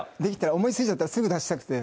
思いついちゃったらすぐ出したくて。